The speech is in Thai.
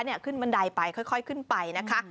คุณอยากขึ้นบันไดไปค่อยขึ้นไปนะคะ